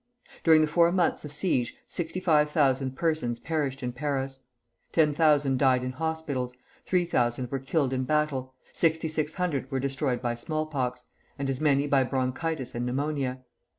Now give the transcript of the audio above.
During the four months of siege sixty five thousand persons perished in Paris: ten thousand died in hospitals, three thousand were killed in battle, sixty six hundred were destroyed by small pox, and as many by bronchitis and pneumonia.